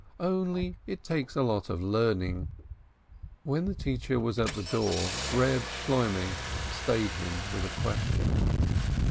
Only it takes a lot of learning." When the teacher was at the door, Reb Shloimeh stayed him with a question.